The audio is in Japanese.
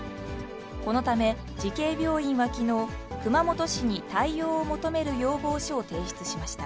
このため慈恵病院はきのう、熊本市に対応を求める要望書を提出しました。